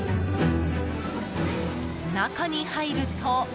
中に入ると。